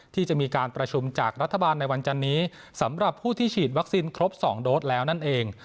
ที่จะมีการประชุมจากรัฐบาลในวันจันนี้สำหรับผู้ที่ฉีดวัคซีนครบ๒โดสแล้วนั่นเอง